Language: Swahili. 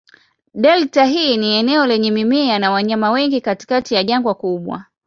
Delta hii ni eneo lenye mimea na wanyama wengi katikati ya jangwa kubwa.